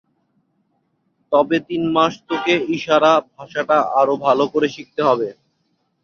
তবে তিন মাস তোকে ইশারা ভাষাটা আরও ভালো করে শিখতে হবে।